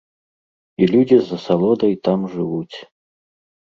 І людзі з асалодай там жывуць.